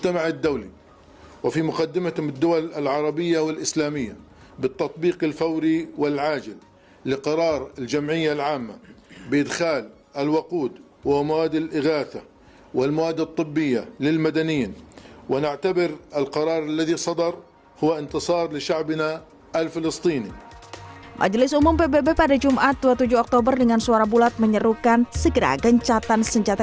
majelis umum pbb pada jumat dua puluh tujuh oktober dengan suara bulat menyerukan segera gencatan senjata